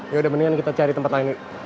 yaudah mendingan kita cari tempat lain yuk